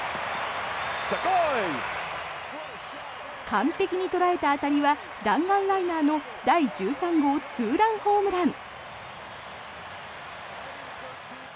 完璧に捉えた当たりは弾丸ライナーの第１３号ツーランホームラン。